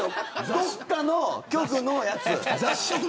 どっかの局のやつ。